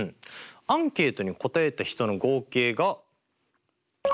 アンケートに答えた人の合計がこちら１０人。